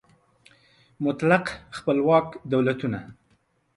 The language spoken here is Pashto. مطلق خپلواک دولتونه